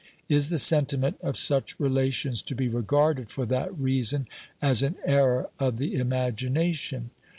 Is the sentiment of such relations to be regarded for that reason as an error of the imagination